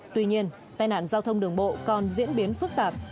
tuy nhiên tai nạn giao thông đường bộ còn diễn biến phức tạp